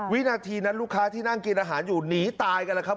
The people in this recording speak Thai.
วินาทีนั้นลูกค้าที่นั่งกินอาหารอยู่หนีตายกันแล้วครับ